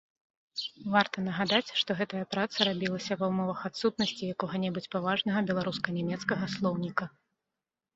Варта нагадаць, што гэтая праца рабілася ва ўмовах адсутнасці якога-небудзь паважнага беларуска-нямецкага слоўніка.